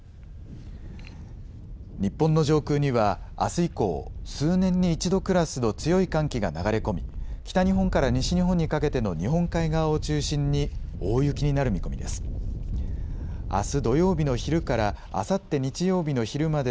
日本の上空にはあす以降、数年に一度クラスの強い寒気が流れ込み、北日本から西日本にかけての日本海側を中心に、大雪になる見込みです。